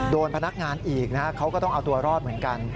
โดนพนักงานอีกนะฮะเขาก็ต้องเอาตัวรอดเหมือนกัน